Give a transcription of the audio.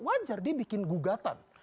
wajar dia bikin gugatan